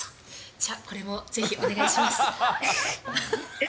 じゃあこれもぜひお願いします。